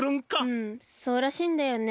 うんそうらしいんだよね。